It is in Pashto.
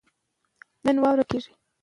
ځینې خلک درناوی نه کوي.